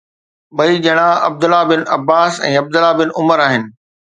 ٻئي ڄڻا Abdullah bin Abbas ۽ Abdullah bin Umar آهن